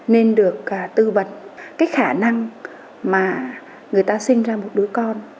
nên được tư vấn cái khả năng mà người ta sinh ra một đứa con